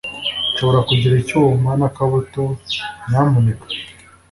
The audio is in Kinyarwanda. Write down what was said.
Nshobora kugira icyuma n'akabuto, nyamuneka?